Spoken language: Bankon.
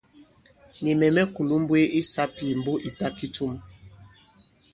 Nì mɛ̀ mɛ̀ kulū m̀mbwee i sāpìmbo ì ta kitum.